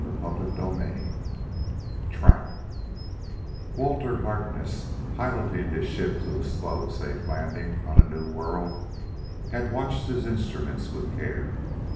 CHAPTER VI Trapped Walter Harkness, piloting his ship to a slow, safe landing on a new world, had watched his instruments with care.